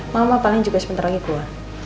mama paling juga sebentar lagi keluar